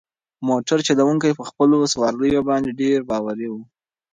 موټر چلونکی په خپلو سوارلۍ باندې ډېر باوري و.